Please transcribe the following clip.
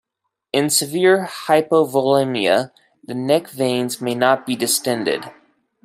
In severe hypovolemia, the neck veins may not be distended.